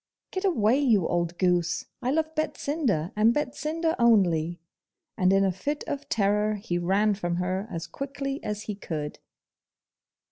'Get away, you old goose! I love Betsinda, and Betsinda only!' And in a fit of terror he ran from her as quickly as he could.